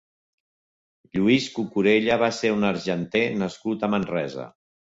Lluís Cucurella va ser un argenter nascut a Manresa.